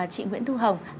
chị nguyễn thu hồng